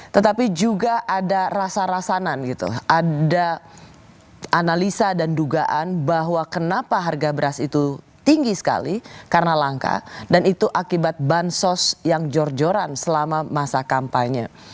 tetapi juga ada rasa rasanan gitu ada analisa dan dugaan bahwa kenapa harga beras itu tinggi sekali karena langka dan itu akibat bansos yang jor joran selama masa kampanye